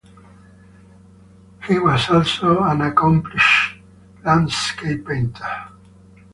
He was also an accomplished landscape painter.